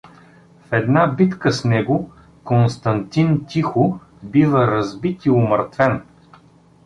В една битка с него Константин Тихо бива разбит и умъртвен.